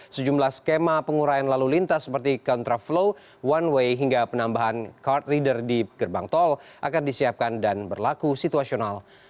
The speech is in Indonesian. sejumlah skema penguraian lalu lintas seperti contraflow one way hingga penambahan card reader di gerbang tol akan disiapkan dan berlaku situasional